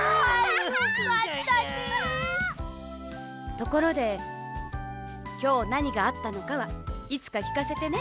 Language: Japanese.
ところできょうなにがあったのかはいつかきかせてね。